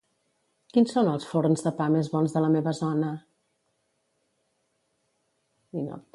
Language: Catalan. Quins són els forns de pa més bons de la meva zona?